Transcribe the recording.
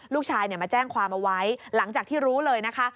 ลูกชายมาแจ้งความเอาไว้หลังจากที่รู้เลยนะคะ